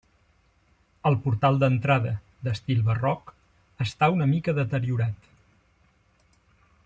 El portal d'entrada, d'estil barroc, està una mica deteriorat.